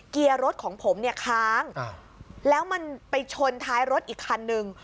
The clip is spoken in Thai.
เกียร์รถของผมเนี่ยค้างแล้วมันไปชนท้ายรถอีกคันนึง